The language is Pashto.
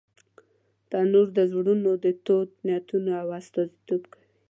تنور د زړونو د تودو نیتونو استازیتوب کوي